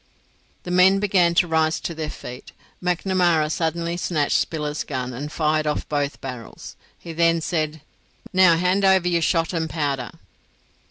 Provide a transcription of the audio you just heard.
The men began to rise to their feet. Macnamara suddenly snatched Spiller's gun, and fired off both barrels; he then said, "Now hand over your shot and powder."